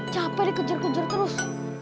capek nih kejar kejar terus